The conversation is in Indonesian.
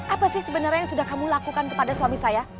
apa sih sebenarnya yang sudah kamu lakukan kepada suami saya